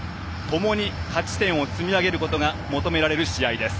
ともに勝ち点を積み上げることが求められる試合です。